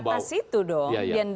dan di atas itu dong